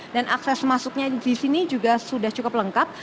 dan akses masuknya di sini juga sudah cukup lengkap